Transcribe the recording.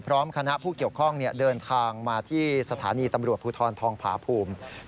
พร้อมคณะผู้เกี่ยวข้องเดินทางมาที่สถานีตำรวจภูทรทองผาภูมิ